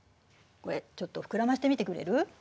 これちょっと膨らませてみてくれる？